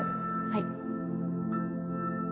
はい。